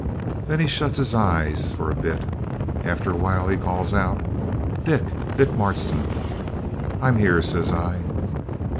Then he shuts his eyes for a bit. After a while he calls out 'Dick! Dick Marston.' 'I'm here,' says I.